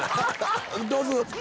どうぞ！